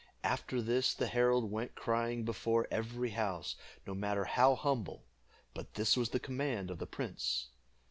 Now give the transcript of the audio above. After this, the herald went crying before every house, no matter how humble, for this was the command of the prince.